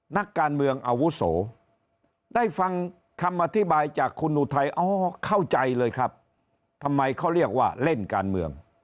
นักการเมืองอาวุโสได้ฟังคำอธิบายจากคุณอุทัยอ๋อเข้าใจเลยครับทำไมเขาเรียกว่าเล่นการเมือง